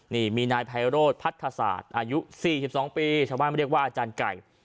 นี่มีนายไพโรธพัฒศาสตร์อายุ๔๒ปีชาวบ้านเรียกว่าอาจารย์ไก่